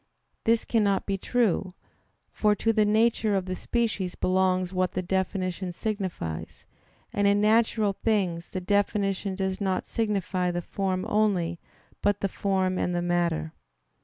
This cannot be true; for to the nature of the species belongs what the definition signifies; and in natural things the definition does not signify the form only, but the form and the matter.